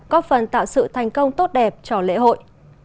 có phần tạo sự thành công tốt đẹp cho lễ hội